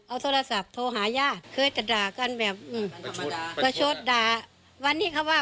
เอาโทรศัพท์โทรหาญาติเคยจะด่ากันแบบอืมประชดด่าวันที่เขาว่า